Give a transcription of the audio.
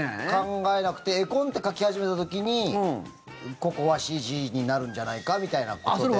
考えなくて絵コンテを描き始めた時にここはＣＧになるんじゃないかみたいなことで。